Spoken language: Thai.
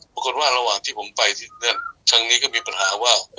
ปรากฏว่าระหว่างที่ผมไปทางนี้ก็มีปัญหาว่า